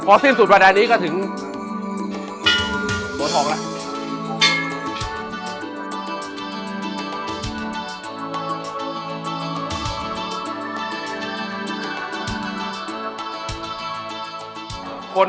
พอสิ้นสุดภัณฑ์ในนี้ก็ถึงโตทองแล้ว